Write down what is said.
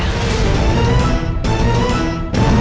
mereka gak jadi cerai ya